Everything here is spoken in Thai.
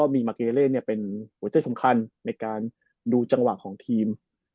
มีมาเกเล่เป็นหัวใจสำคัญในการดูจังหวะของทีม